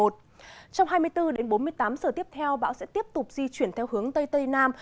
trong hai mươi bốn đến bốn mươi tám giờ tiếp theo bão sẽ tiếp tục di chuyển theo hướng tây tây nam